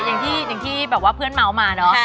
อย่างที่แบบว่าเพื่อนเมาส์มาเนอะ